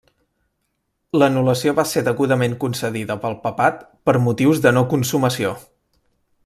L'anul·lació va ser degudament concedida pel papat per motius de no consumació.